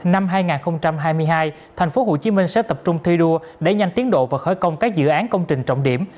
năm hai nghìn hai mươi hai tp hcm sẽ tập trung thi đua đẩy nhanh tiến độ và khởi công các dự án công trình trọng điểm